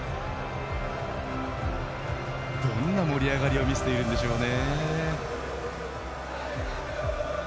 どんな盛り上がりを見せているんでしょうね。